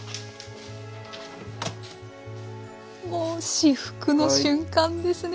至福の瞬間ですね